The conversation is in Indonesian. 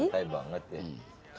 santai banget ya